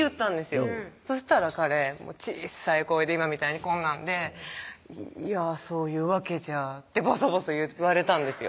よそしたら彼小さい声で今みたいにこんなんで「いやそういうわけじゃ」ってぼそぼそ言われたんですよ